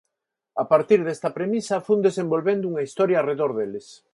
A partir desta premisa, fun desenvolvendo unha historia arredor deles.